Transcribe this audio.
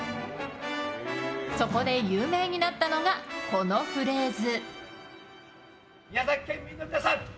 そこで有名になったのがこのフレーズ。